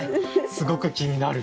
すごく気になる！